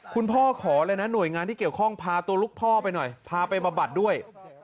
ขอเลยนะหน่วยงานที่เกี่ยวข้องพาตัวลูกพ่อไปหน่อยพาไปบำบัดด้วย